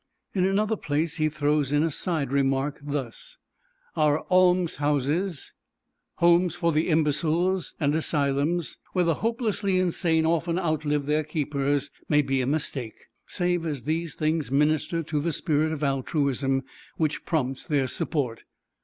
In another place he throws in a side remark, thus: "Our almshouses, homes for imbeciles, and asylums where the hopelessly insane often outlive their keepers, may be a mistake, save as these things minister to the spirit of altruism which prompts their support.